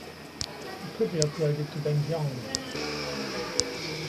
It could be upgraded to Benxiong(奔熊).